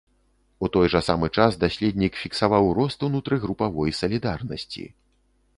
У той жа самы час даследнік фіксаваў рост унутрыгрупавой салідарнасці.